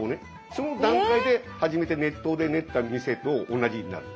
その段階で初めて熱湯で練った店と同じになる。